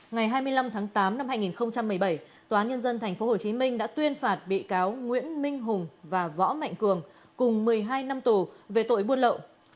ngày hai mươi năm tháng tám năm hai nghìn một mươi bảy tòa nhân dân tp hcm đã tuyên phạt bị cáo nguyễn minh hùng và võ mạnh cường cùng một mươi hai năm tù về tội buôn lậu